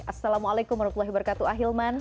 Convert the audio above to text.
assalamualaikum warahmatullahi wabarakatuh ah hilman